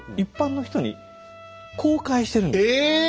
え！